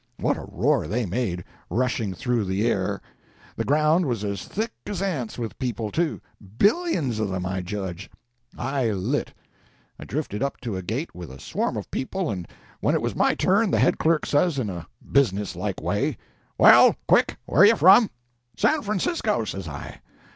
What a roar they made, rushing through the air! The ground was as thick as ants with people, too—billions of them, I judge. I lit. I drifted up to a gate with a swarm of people, and when it was my turn the head clerk says, in a business like way— "Well, quick! Where are you from?" "San Francisco," says I.